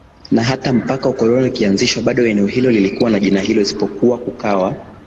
Na hata mpaka ukoloni ukianzishwa bado eneo hilo lilikuwa na jina hilo isipokuwa kukawa